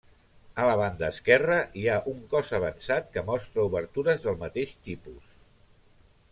A la banda esquerra hi ha un cos avançat que mostra obertures del mateix tipus.